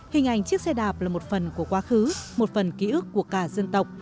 hình ảnh chiếc xe đạp là một phần của quá khứ một phần ký ức của cả dân tộc